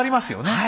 はい。